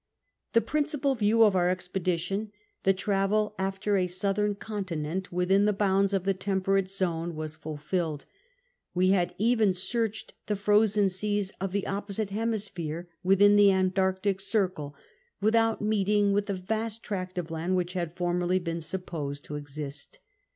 The principal view of our expedition, the travel after a Southern Continent within the bounds of the temperate zone, was fulfilled. We hatl even sciirched the frozen seas of the opposite hemisphere, within the Antarctic circle, without meeting with the vast tract of land which had formerly been supposed to exist.